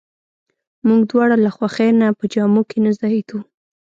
موږ دواړه له خوښۍ نه په جامو کې نه ځایېدو.